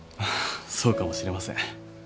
そうかもしれません。